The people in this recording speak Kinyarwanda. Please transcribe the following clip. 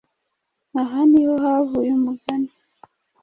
Aha niho havuye umugani